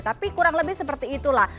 tapi kurang lebih seperti itulah